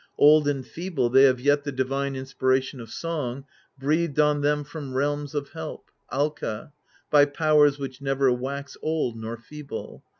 Old and feeble, they have yet the divine inspiration of song, breathed on them from " realms of help " (akKo) by powers which never wax old nor feeble.